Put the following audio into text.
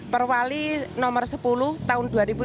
perwali nomor sepuluh tahun ini